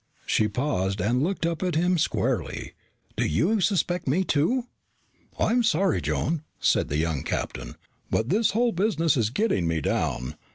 She paused and looked up at him squarely. "Do you suspect me too?" "I'm sorry, Joan," said the young captain. "But this whole business is getting me down.